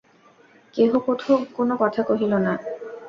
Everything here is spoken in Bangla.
কেহ কোনো কথা কহিল না।